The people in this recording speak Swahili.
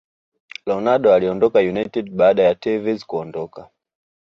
Ronaldo aliondoka United baada ya Tevez kuondoka